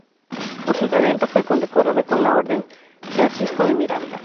Por su talento fue condecorada con la Orden Francisco de Miranda.